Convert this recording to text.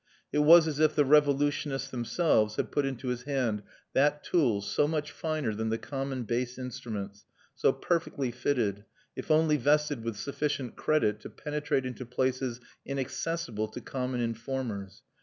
It was as if the revolutionists themselves had put into his hand that tool so much finer than the common base instruments, so perfectly fitted, if only vested with sufficient credit, to penetrate into places inaccessible to common informers.